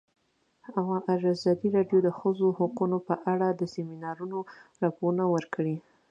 ازادي راډیو د د ښځو حقونه په اړه د سیمینارونو راپورونه ورکړي.